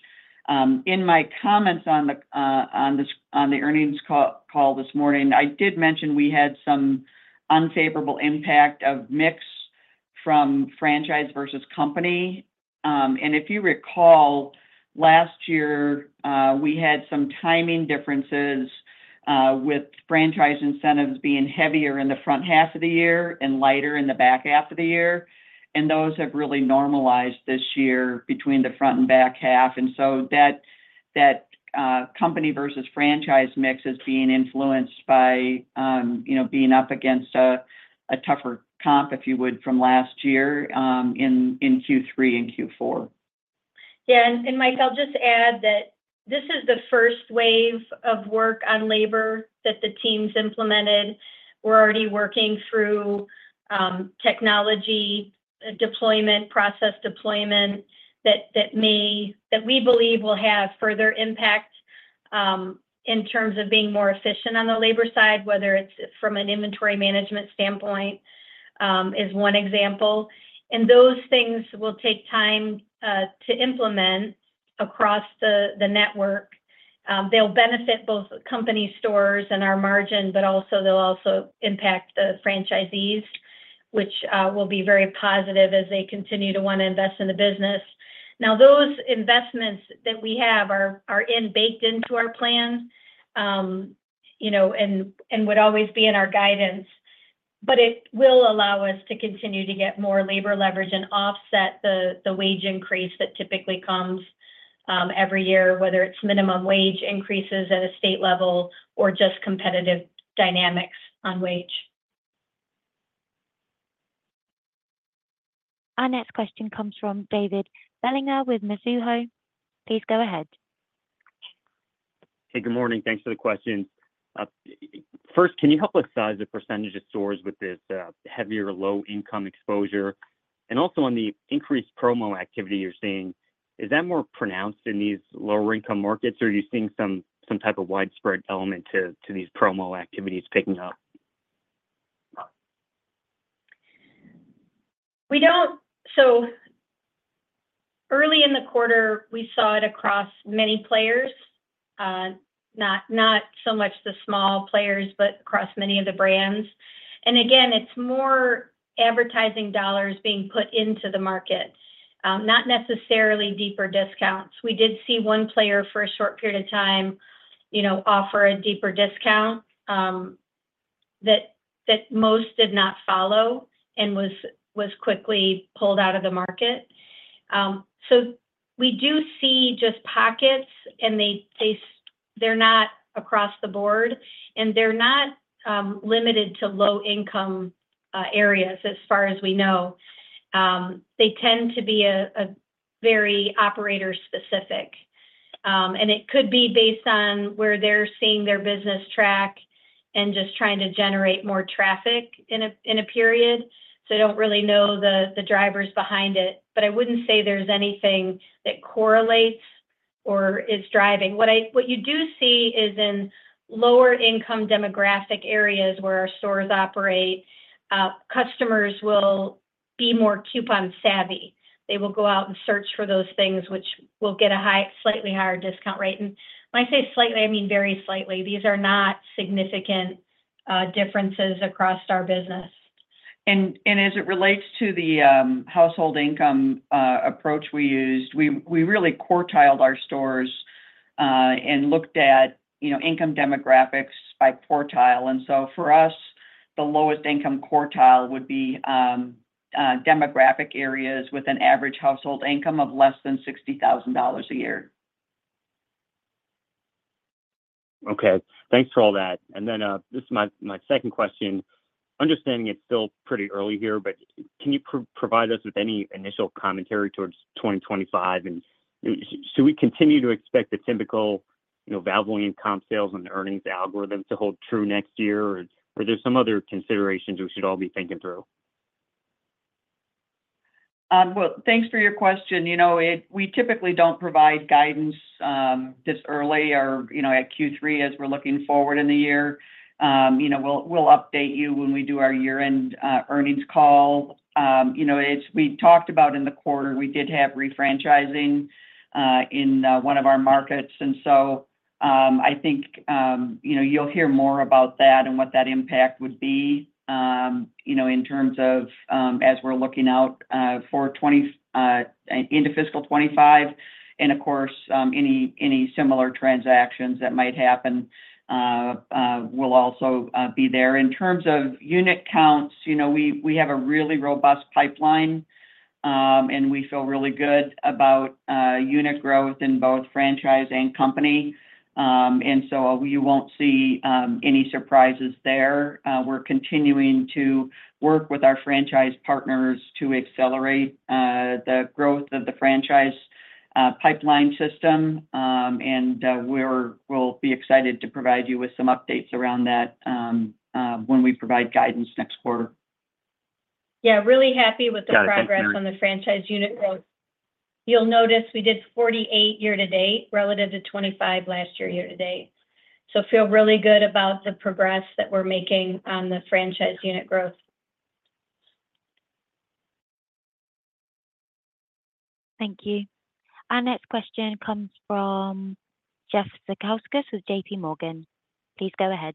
In my comments on the earnings call this morning, I did mention we had some unfavorable impact of mix from franchise versus company. And if you recall, last year, we had some timing differences with franchise incentives being heavier in the front half of the year and lighter in the back half of the year, and those have really normalized this year between the front and back half. And so that company versus franchise mix is being influenced by, you know, being up against a tougher comp, if you would, from last year, in Q3 and Q4. Yeah, and Mike, I'll just add that this is the first wave of work on labor that the teams implemented. We're already working through technology deployment, process deployment that we believe will have further impact in terms of being more efficient on the labor side, whether it's from an inventory management standpoint is one example. And those things will take time to implement across the network. They'll benefit both company stores and our margin, but also they'll also impact the franchisees, which will be very positive as they continue to want to invest in the business. Now, those investments that we have are baked into our plans, you know, and would always be in our guidance. But it will allow us to continue to get more labor leverage and offset the wage increase that typically comes every year, whether it's minimum wage increases at a state level or just competitive dynamics on wage. Our next question comes from David Bellinger with Mizuho. Please go ahead. Hey, good morning. Thanks for the questions. First, can you help us size the percentage of stores with this heavier low income exposure? And also on the increased promo activity you're seeing, is that more pronounced in these lower income markets, or are you seeing some type of widespread element to these promo activities picking up? We don't. So early in the quarter, we saw it across many players, not so much the small players, but across many of the brands. And again, it's more advertising dollars being put into the market, not necessarily deeper discounts. We did see one player for a short period of time, you know, offer a deeper discount, that most did not follow and was quickly pulled out of the market. So we do see just pockets, and they’re not across the board, and they’re not limited to low-income areas as far as we know. They tend to be very operator-specific. And it could be based on where they're seeing their business track and just trying to generate more traffic in a period. So I don't really know the drivers behind it, but I wouldn't say there's anything that correlates or is driving. What you do see is in lower income demographic areas where our stores operate, customers will be more coupon savvy. They will go out and search for those things which will get a high, slightly higher discount rate. And when I say slightly, I mean very slightly. These are not significant differences across our business. As it relates to the household income approach we used, we really quartiled our stores and looked at, you know, income demographics by quartile. And so for us, the lowest income quartile would be demographic areas with an average household income of less than $60,000 a year. Okay. Thanks for all that. Then, this is my second question. Understanding it's still pretty early here, but can you provide us with any initial commentary towards 2025? And should we continue to expect the typical, you know, Valvoline comp sales and earnings algorithm to hold true next year, or are there some other considerations we should all be thinking through? Well, thanks for your question. You know, we typically don't provide guidance this early or, you know, at Q3 as we're looking forward in the year. You know, we'll update you when we do our year-end earnings call. You know, we talked about in the quarter, we did have refranchising in one of our markets, and so, I think, you know, you'll hear more about that and what that impact would be, you know, in terms of, as we're looking out for 2024 into fiscal 2025. And of course, any similar transactions that might happen will also be there. In terms of unit counts, you know, we have a really robust pipeline, and we feel really good about unit growth in both franchise and company. And so you won't see any surprises there. We're continuing to work with our franchise partners to accelerate the growth of the franchise pipeline system. We'll be excited to provide you with some updates around that when we provide guidance next quarter. Yeah, really happy with the- Yeah, thanks, Mary.... progress on the franchise unit growth. You'll notice we did 48 year to date, relative to 25 last year year to date. So feel really good about the progress that we're making on the franchise unit growth. Thank you. Our next question comes from Jeff Zekauskas with J.P. Morgan. Please go ahead.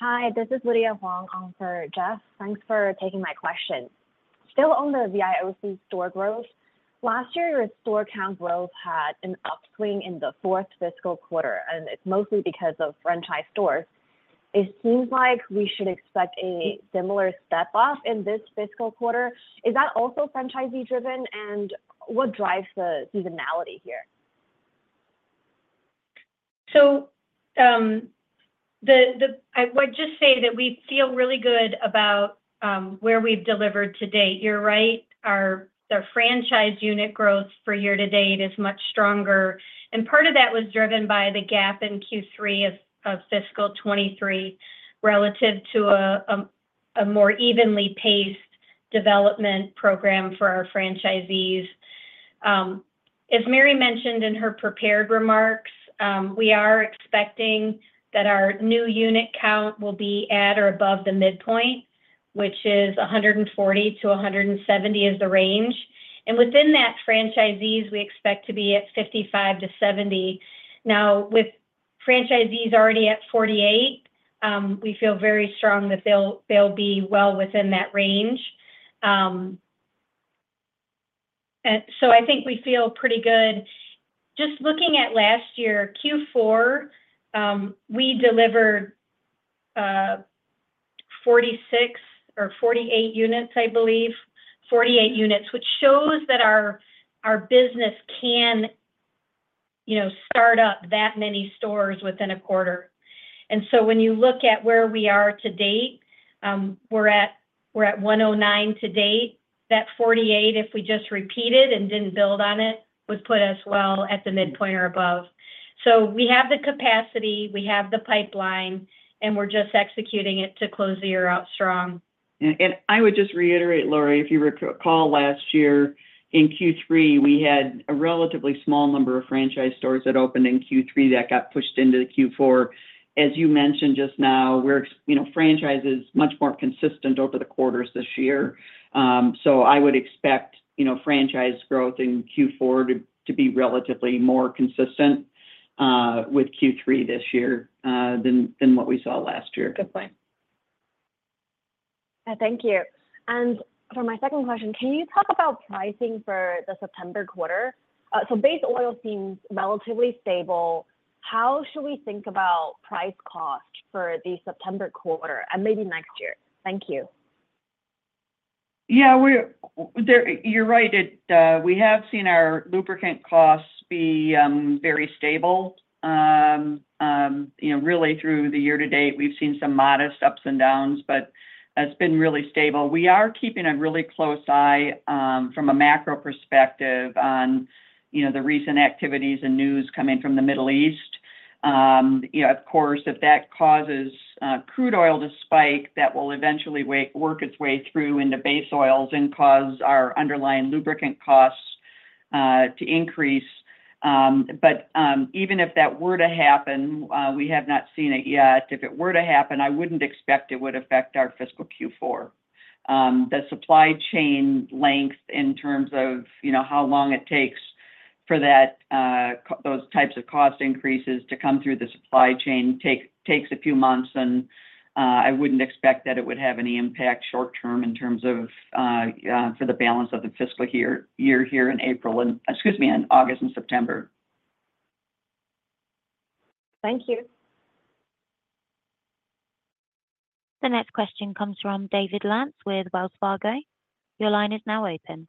Hi, this is Lydia Huang on for Jeff. Thanks for taking my question. Still on the VIOC store growth, last year, your store count growth had an upswing in the fourth fiscal quarter, and it's mostly because of franchise stores. It seems like we should expect a similar step off in this fiscal quarter. Is that also franchisee driven, and what drives the seasonality here? So, I would just say that we feel really good about where we've delivered to date. You're right, our franchise unit growth for year to date is much stronger, and part of that was driven by the gap in Q3 of fiscal 2023, relative to a more evenly paced development program for our franchisees. As Mary mentioned in her prepared remarks, we are expecting that our new unit count will be at or above the midpoint, which is 140-170 is the range. And within that, franchisees, we expect to be at 55-70. Now, with franchisees already at 48, we feel very strong that they'll be well within that range. And so I think we feel pretty good. Just looking at last year, Q4, we delivered 46 or 48 units, I believe. 48 units, which shows that our business can, you know, start up that many stores within a quarter. So when you look at where we are to date, we're at 109 to date. That 48, if we just repeated and didn't build on it, would put us well at the midpoint or above. So we have the capacity, we have the pipeline, and we're just executing it to close the year out strong. I would just reiterate, Lori, if you recall last year in Q3, we had a relatively small number of franchise stores that opened in Q3 that got pushed into the Q4. As you mentioned just now, we're, you know, franchise is much more consistent over the quarters this year. So I would expect, you know, franchise growth in Q4 to be relatively more consistent with Q3 this year than what we saw last year. Good point. Thank you. And for my second question, can you talk about pricing for the September quarter? So base oil seems relatively stable. How should we think about price cost for the September quarter and maybe next year? Thank you. Yeah, we're there, you're right. It. We have seen our lubricant costs be very stable. You know, really through the year to date, we've seen some modest ups and downs, but it's been really stable. We are keeping a really close eye, from a macro perspective on, you know, the recent activities and news coming from the Middle East. You know, of course, if that causes crude oil to spike, that will eventually work its way through into base oils and cause our underlying lubricant costs to increase. But even if that were to happen, we have not seen it yet. If it were to happen, I wouldn't expect it would affect our fiscal Q4. The supply chain length, in terms of, you know, how long it takes for that, those types of cost increases to come through the supply chain takes a few months, and, I wouldn't expect that it would have any impact short term in terms of, for the balance of the fiscal year, year here in April, and, excuse me, in August and September. Thank you. The next question comes from David Lantz with Wells Fargo. Your line is now open.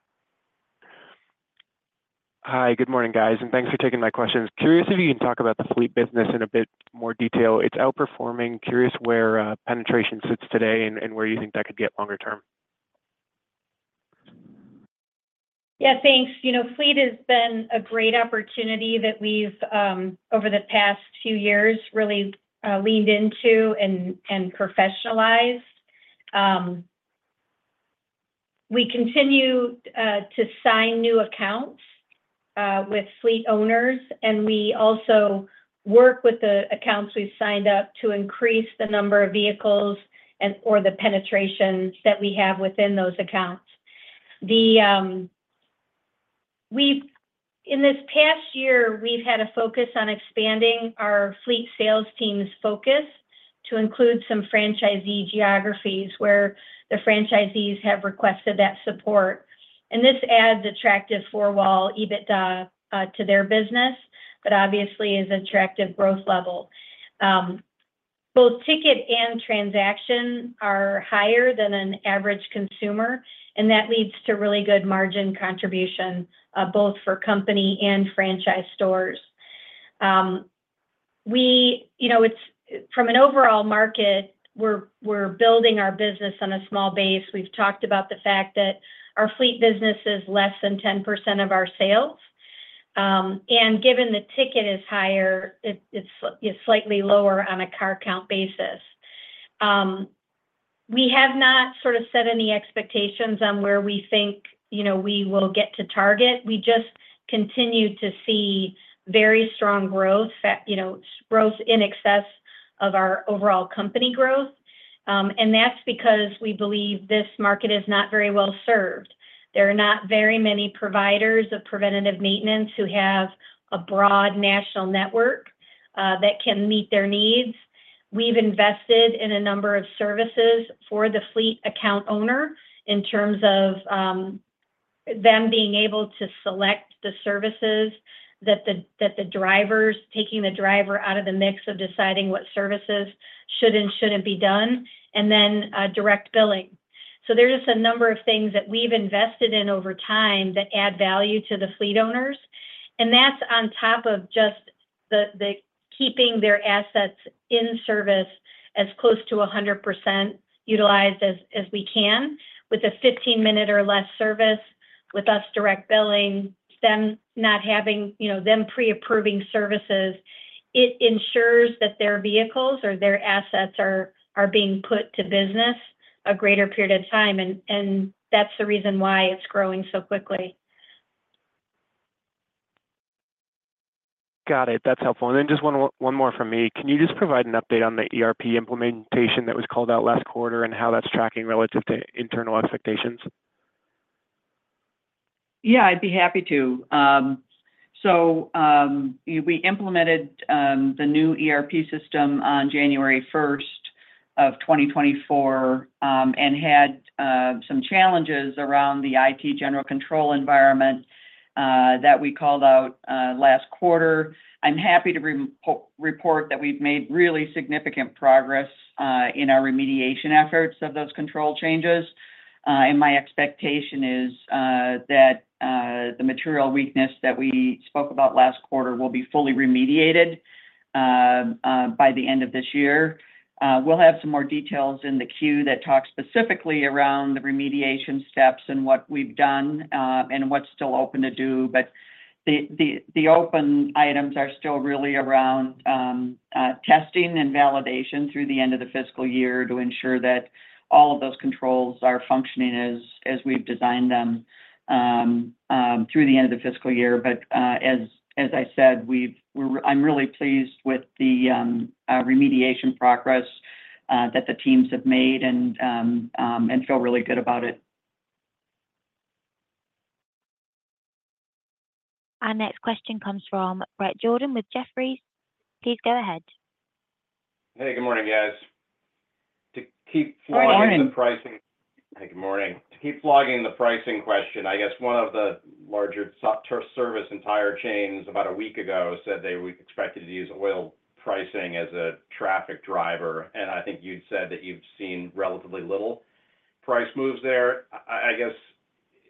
Hi, good morning, guys, and thanks for taking my questions. Curious if you can talk about the fleet business in a bit more detail? It's outperforming. Curious where, penetration sits today and where you think that could get longer term? Yeah, thanks. You know, fleet has been a great opportunity that we've over the past few years, really, leaned into and professionalized. We continue to sign new accounts with fleet owners, and we also work with the accounts we've signed up to increase the number of vehicles and or the penetrations that we have within those accounts. In this past year, we've had a focus on expanding our fleet sales team's focus to include some franchisee geographies, where the franchisees have requested that support. And this adds attractive full EBITDA to their business, but obviously is attractive growth lever. Both ticket and transaction are higher than an average consumer, and that leads to really good margin contribution both for company and franchise stores. We, you know, it's from an overall market, we're building our business on a small base. We've talked about the fact that our fleet business is less than 10% of our sales. And given the ticket is higher, it's slightly lower on a car count basis. We have not sort of set any expectations on where we think, you know, we will get to target. We just continue to see very strong growth, you know, growth in excess of our overall company growth. And that's because we believe this market is not very well served. There are not very many providers of preventative maintenance who have a broad national network that can meet their needs. We've invested in a number of services for the fleet account owner, in terms of them being able to select the services that the, that the drivers. Taking the driver out of the mix of deciding what services should and shouldn't be done, and then direct billing. So there are just a number of things that we've invested in over time that add value to the fleet owners, and that's on top of just the, the keeping their assets in service as close to 100% utilized as we can, with a 15-minute or less service, with us direct billing, them not having, you know, them pre-approving services. It ensures that their vehicles or their assets are being put to business a greater period of time, and that's the reason why it's growing so quickly. Got it. That's helpful. Then just one, one more from me. Can you just provide an update on the ERP implementation that was called out last quarter and how that's tracking relative to internal expectations? Yeah, I'd be happy to. So, we implemented the new ERP system on January first of 2024, and had some challenges around the IT general control environment that we called out last quarter. I'm happy to report that we've made really significant progress in our remediation efforts of those control changes. And my expectation is that the material weakness that we spoke about last quarter will be fully remediated by the end of this year. We'll have some more details in the Q that talk specifically around the remediation steps and what we've done, and what's still open to do. But the open items are still really around testing and validation through the end of the fiscal year, to ensure that all of those controls are functioning as we've designed them through the end of the fiscal year. But, as I said, I'm really pleased with the remediation progress that the teams have made and feel really good about it. Our next question comes from Bret Jordan with Jefferies. Please go ahead. Hey, good morning, guys. To keep flogging- Good morning... the pricing. Hey, good morning. To keep flogging the pricing question, I guess one of the larger service and tire chains, about a week ago, said they would expect to use oil pricing as a traffic driver, and I think you'd said that you've seen relatively little price moves there. I, I guess,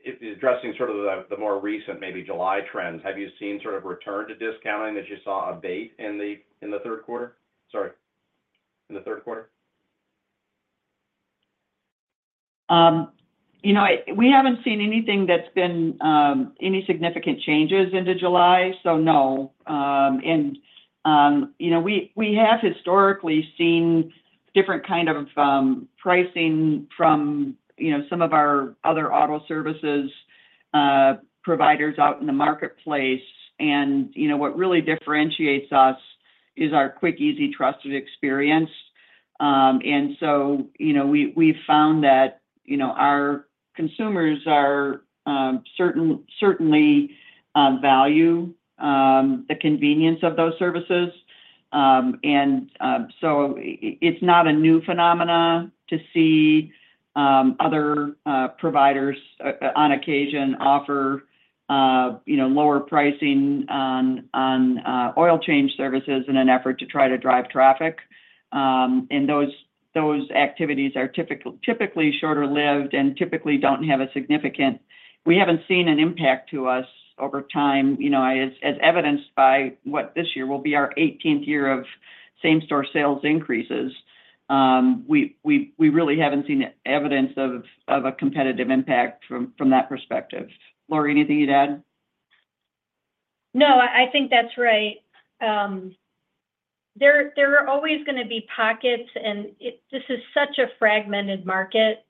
if addressing sort of the more recent, maybe July trends, have you seen sort of return to discounting, that you saw abate in the third quarter? Sorry, in the third quarter. You know, we haven't seen anything that's been any significant changes into July, so no. And, you know, we have historically seen different kind of pricing from, you know, some of our other auto services providers out in the marketplace. And, you know, what really differentiates us is our quick, easy, trusted experience. And so, you know, we, we've found that, you know, our consumers are certainly value the convenience of those services. And so it's not a new phenomenon to see other providers on occasion offer, you know, lower pricing on oil change services in an effort to try to drive traffic. And those activities are typically shorter-lived and typically don't have a significant. We haven't seen an impact to us over time, you know, as evidenced by what this year will be our eighteenth year of same-store sales increases. We really haven't seen evidence of a competitive impact from that perspective. Lori, anything you'd add? No, I think that's right. There are always gonna be pockets, and it, this is such a fragmented market,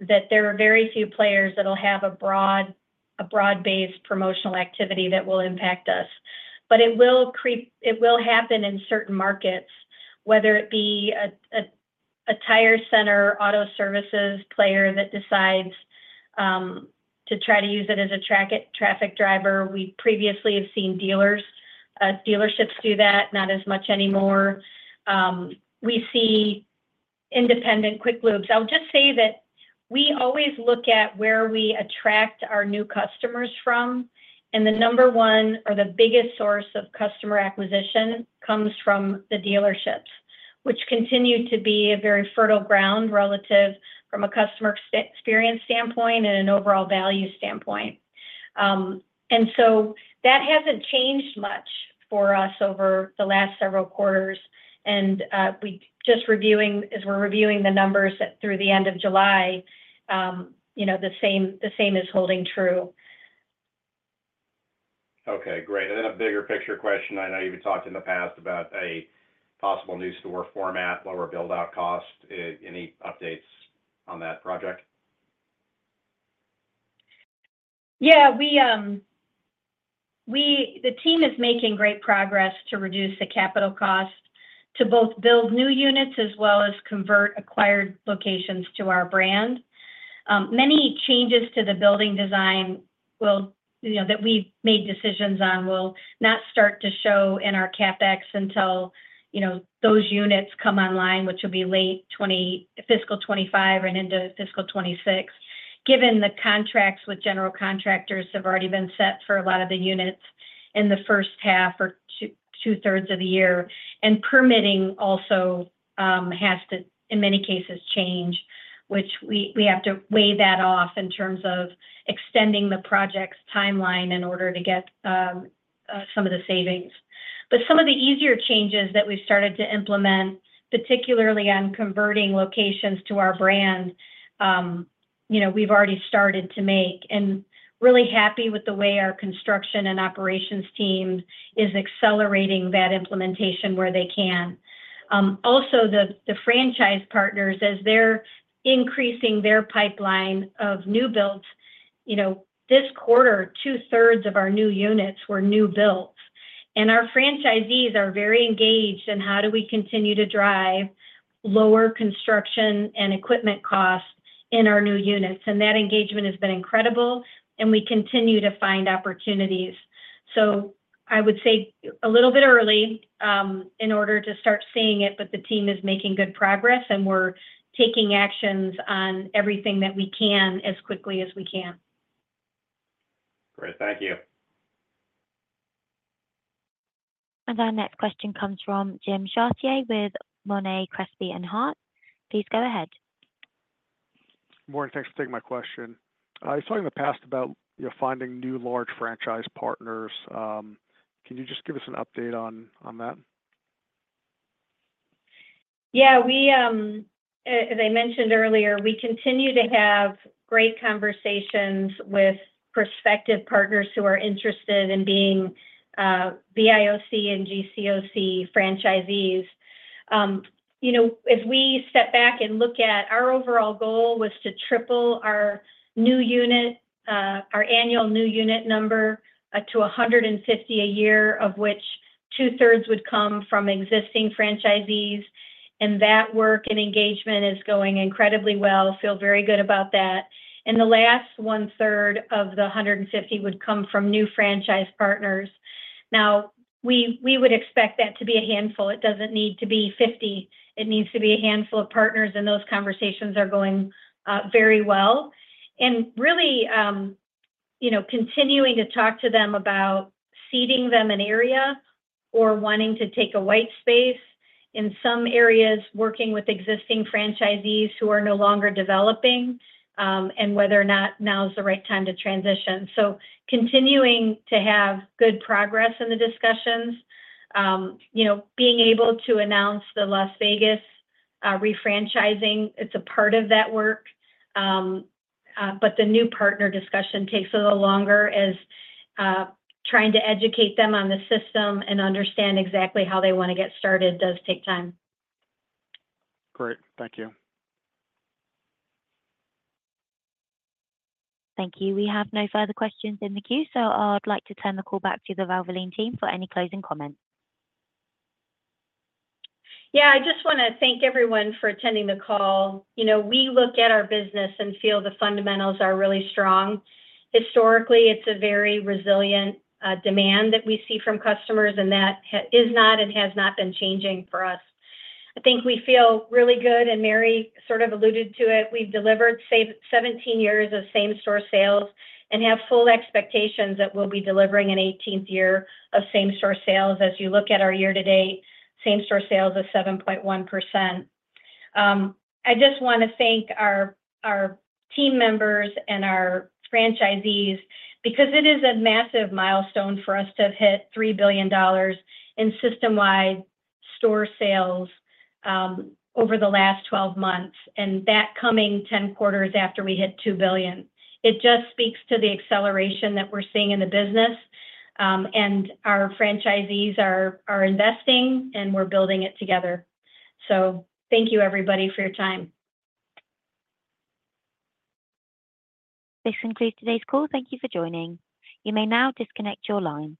that there are very few players that will have a broad-based promotional activity that will impact us. But it will creep. It will happen in certain markets, whether it be a tire center auto services player that decides to try to use it as a traffic driver. We previously have seen dealers, dealerships do that, not as much anymore. We see independent quick lubes. I'll just say that we always look at where we attract our new customers from, and the number one or the biggest source of customer acquisition comes from the dealerships, which continue to be a very fertile ground relative from a customer experience standpoint and an overall value standpoint. And so that hasn't changed much for us over the last several quarters, and as we're reviewing the numbers through the end of July, you know, the same, the same is holding true. Okay, great. And then a bigger picture question. I know you've talked in the past about a possible new store format, lower build-out cost. Any updates on that project? Yeah, we, the team is making great progress to reduce the capital cost to both build new units as well as convert acquired locations to our brand. Many changes to the building design will, you know, that we've made decisions on will not start to show in our CapEx until, you know, those units come online, which will be late 20..., fiscal 2025 and into fiscal 2026. Given the contracts with general contractors have already been set for a lot of the units in the first half or 2/3 of the year, and permitting also has to, in many cases, change, which we, we have to weigh that off in terms of extending the project's timeline in order to get some of the savings. But some of the easier changes that we've started to implement, particularly on converting locations to our brand, you know, we've already started to make, and really happy with the way our construction and operations team is accelerating that implementation where they can. Also, the franchise partners, as they're increasing their pipeline of new builds, you know, this quarter, 2/3 of our new units were new builds. And our franchisees are very engaged in how do we continue to drive lower construction and equipment costs in our new units, and that engagement has been incredible, and we continue to find opportunities. So I would say a little bit early in order to start seeing it, but the team is making good progress, and we're taking actions on everything that we can as quickly as we can. Great. Thank you. Our next question comes from Jim Chartier with Monness, Crespi, Hardt. Please go ahead. Morning. Thanks for taking my question. You talked in the past about, you know, finding new large franchise partners. Can you just give us an update on, on that? Yeah, as I mentioned earlier, we continue to have great conversations with prospective partners who are interested in being VIOC and GCOC franchisees. You know, if we step back and look at our overall goal was to triple our new unit, our annual new unit number, to 150 a year, of which 2/3 would come from existing franchisees, and that work and engagement is going incredibly well. Feel very good about that. And the last 1/3 of the 150 would come from new franchise partners. Now, we would expect that to be a handful. It doesn't need to be 50. It needs to be a handful of partners, and those conversations are going very well. Really, you know, continuing to talk to them about seeding them an area or wanting to take a white space in some areas, working with existing franchisees who are no longer developing, and whether or not now is the right time to transition. Continuing to have good progress in the discussions, you know, being able to announce the Las Vegas refranchising, it's a part of that work. But the new partner discussion takes a little longer as trying to educate them on the system and understand exactly how they want to get started does take time. Great. Thank you. Thank you. We have no further questions in the queue, so I'd like to turn the call back to the Valvoline team for any closing comments. Yeah, I just wanna thank everyone for attending the call. You know, we look at our business and feel the fundamentals are really strong. Historically, it's a very resilient demand that we see from customers, and that is not and has not been changing for us. I think we feel really good, and Mary sort of alluded to it. We've delivered 17 years of same-store sales and have full expectations that we'll be delivering an 18th year of same-store sales as you look at our year to date, same-store sales of 7.1%. I just wanna thank our, our team members and our franchisees because it is a massive milestone for us to have hit $3 billion in system-wide store sales, over the last 12 months, and that coming 10 quarters after we hit $2 billion. It just speaks to the acceleration that we're seeing in the business, and our franchisees are investing, and we're building it together. So thank you, everybody, for your time. This concludes today's call. Thank you for joining. You may now disconnect your line.